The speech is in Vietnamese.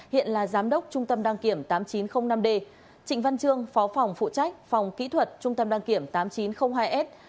hiện là giám đốc trung tâm đăng kiểm tám nghìn chín trăm linh năm d trịnh văn trương phó phòng phụ trách phòng kỹ thuật trung tâm đăng kiểm tám nghìn chín trăm linh hai s